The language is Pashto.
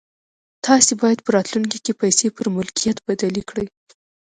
تاسې بايد په راتلونکي کې پيسې پر ملکيت بدلې کړئ.